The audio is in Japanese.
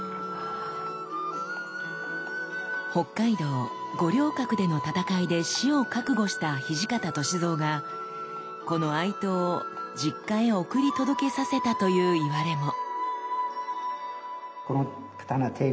北海道五稜郭での戦いで死を覚悟した土方歳三がこの愛刀を実家へ送り届けさせたといういわれも。